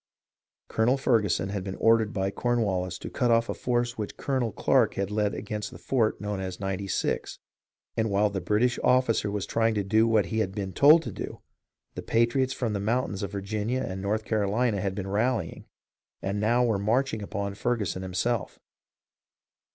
Colonel Fer guson had been ordered by Cornwallis to cut off a force which Colonel Clarke had led against the fort known as Ninety Six, and while the British officer was trying to do what he had been told to do, the patriots from the moun tains of Virginia and North Carolina had been rallying, and now were marching upon Ferguson himself.